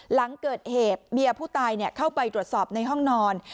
หลังเกิดเหตุเมียผู้ตายเข้าไปตรวจสอบในห้องนอน